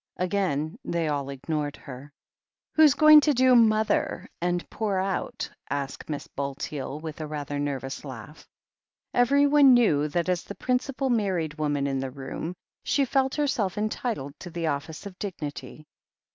Again they all ignored her. "Who's going to do 'mother,' and pour out ?" asked Mrs. Bulteel with a rather nervous laugh. Everyone knew that as the principal married woman in the room, she felt herself entitled to the office of 141 142 THE HEEL OF ACHILLES dignity.